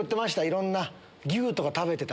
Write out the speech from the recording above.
いろんな。